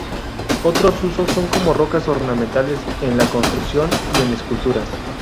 Otros usos son como rocas ornamentales en la construcción y en esculturas.